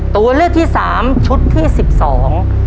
ตัวเลือกที่สามชุดที่สิบสอง